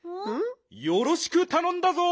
よろしくたのんだぞ。